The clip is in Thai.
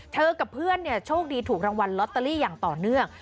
กับเพื่อนโชคดีถูกรางวัลลอตเตอรี่อย่างต่อเนื่อง